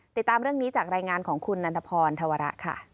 ติดตามเรื่องนี้จากรายงานของคุณนันทพรธวระค่ะ